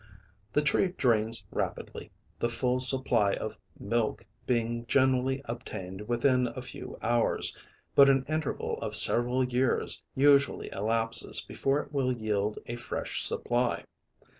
The tree drains rapidly, the full supply of "milk" being generally obtained within a few hours, but an interval of several years usually elapses before it will yield a fresh supply.